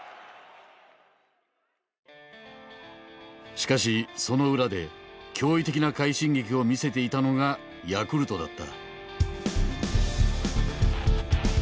しかしその裏で驚異的な快進撃を見せていたのがヤクルトだった。